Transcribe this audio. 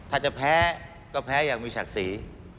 ถ้าจะแพ้ก็แพ้อย่างมีศักดิ์ศรี